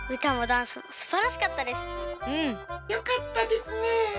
よかったですね。